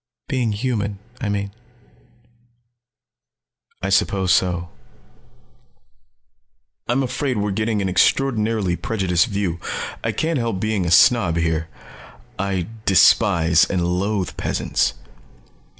"Being human, I mean." "I suppose so. I'm afraid we're getting an extraordinarily prejudiced view. I can't help being a snob here. I despise and loathe peasants."